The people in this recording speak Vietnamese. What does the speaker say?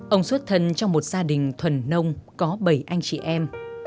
ông xuất thân trong một gia đình thuần nông có bảy anh chị em